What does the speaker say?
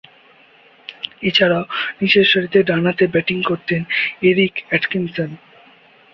এছাড়াও, নিচেরসারিতে ডানহাতে ব্যাটিং করতেন এরিক অ্যাটকিনসন।